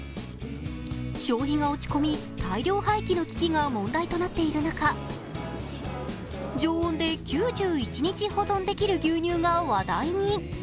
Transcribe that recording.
消費が落ち込み、大量廃棄の危機が問題となっている中、常温で９１日保存できる牛乳が話題に。